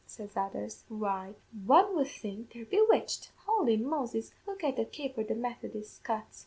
says others; 'why, one would think they're bewitched. Holy Moses, look at the caper the Methodis cuts!